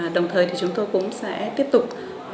đồng thời chúng tôi cũng sẽ tiếp tục